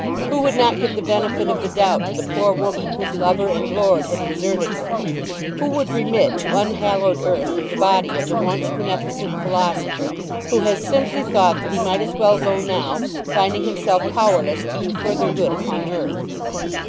Who would not give the benefit of the doubt to the poor woman whose lover and lord had deserted her? Who would remit to unhallowed earth the body of the once beneficent philosopher who has simply thought that he might as well go now, finding himself powerless to do further good upon earth?